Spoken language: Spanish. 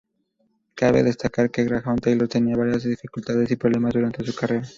Cabe destacar que Graham Taylor tenía varias dificultades y problemas durante su carrera.